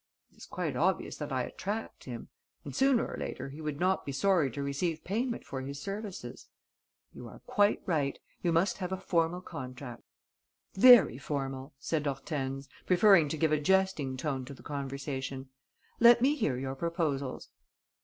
It is quite obvious that I attract him; and sooner or later he would not be sorry to receive payment for his services.' You are quite right. We must have a formal contract." "Very formal," said Hortense, preferring to give a jesting tone to the conversation. "Let me hear your proposals."